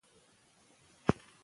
ذهن مو باغچه ده.